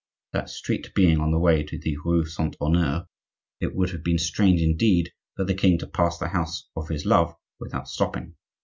That street being on the way to the rue Saint Honore, it would have been strange indeed for the king to pass the house of his love without stopping.